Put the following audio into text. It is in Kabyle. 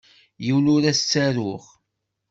Yiwen ur as-ttaruɣ.